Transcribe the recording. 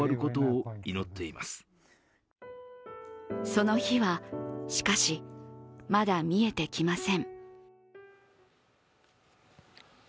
その日は、しかし、まだ見えてきません。